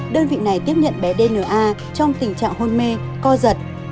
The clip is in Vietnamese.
đơn vị này tiếp nhận bé dna trong tình trạng hôn mê co giật